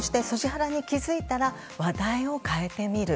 ハラに気が付いたら話題を変えてみる。